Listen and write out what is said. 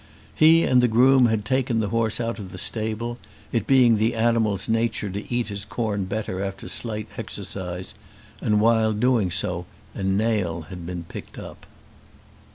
He and the groom had taken the horse out of the stable, it being the animal's nature to eat his corn better after slight exercise, and while doing so a nail had been picked up.